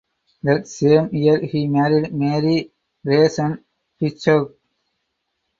That same year he married Mary Grayson Fitzhugh.